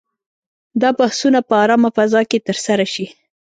دا بحثونه په آرامه فضا کې ترسره شي.